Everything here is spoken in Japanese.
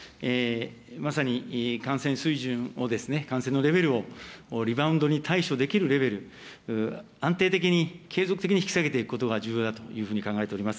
まさに感染水準を、感染のレベルをリバウンドに対処できるレベル、安定的に継続的に引き下げていくことが重要だというふうに考えております。